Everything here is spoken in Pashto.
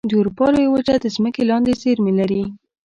د اروپا لویه وچه د ځمکې لاندې زیرمې لري.